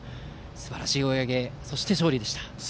すばらしい追い上げそして勝利でした。